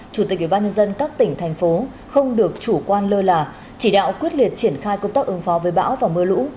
chủ tịch ủy ban nhân dân các tỉnh thành phố không được chủ quan lơ là chỉ đạo quyết liệt triển khai công tác ứng phó với bão và mưa lũ